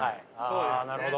あなるほど。